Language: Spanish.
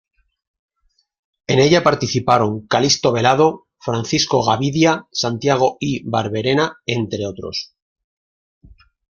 En ella participaron Calixto Velado, Francisco Gavidia, Santiago I. Barberena, entre otros.